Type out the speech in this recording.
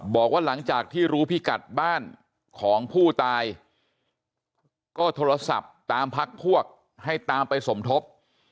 บอกว่าหลังจากที่รู้พิกัดบ้านของผู้ตายก็โทรศัพท์ตามพักพวกให้ตามไปสมทบ